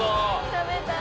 食べたい。